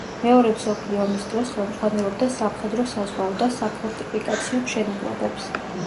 მეორე მსოფლიო ომის დროს ხელმძღვანელობდა სამხედრო-საზღვაო და საფორტიფიკაციო მშენებლობებს.